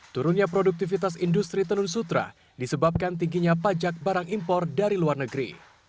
turunnya produktivitas industri tenun sutra disebabkan tingginya pajak barang impor dari luar negeri